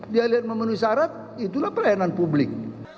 dia lihat memenuhi syarat itulah pelayanan publik